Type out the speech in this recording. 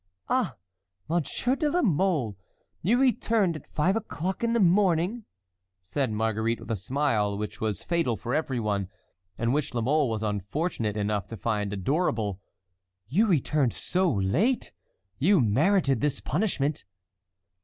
"Ah! Monsieur de la Mole! you returned at five o'clock in the morning!" said Marguerite with a smile which was fatal for every one, and which La Mole was unfortunate enough to find adorable; "you returned so late, you merited this punishment!"